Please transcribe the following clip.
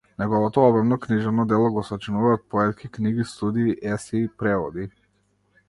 Неговото обемно книжевно дело го сочинуваат поетки книги, студии, есеи, преводи.